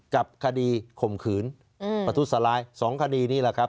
กับคดีข่มขืนประทุษร้าย๒คดีนี้แหละครับ